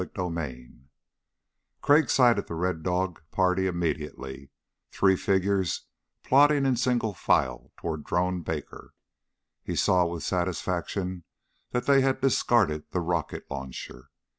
CHAPTER 15 Crag sighted the Red Dog party immediately three figures plodding in single file toward Drone Baker. He saw with satisfaction that they had discarded the rocket launcher.